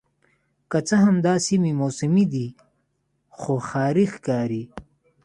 که څه هم دا سیمې موسمي دي خو ښاري ښکاري